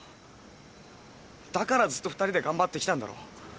だからずっと２人で頑張ってきたんだろ。